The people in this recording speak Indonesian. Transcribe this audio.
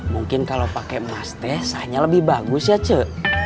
mungkin kalau pakai emas deh sahnya lebih bagus ya cuk